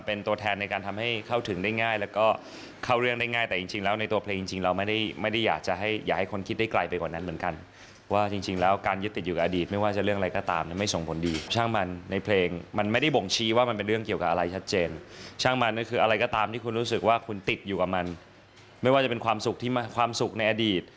เป็นความสุขในอดีตความทุกข์ในอดีต